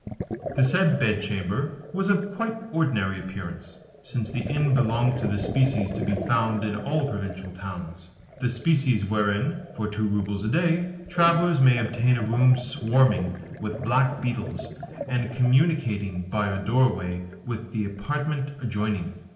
The said bedchamber was of quite ordinary appearance, since the inn belonged to the species to be found in all provincial towns the species wherein, for two roubles a day, travellers may obtain a room swarming with black beetles, and communicating by a doorway with the apartment adjoining.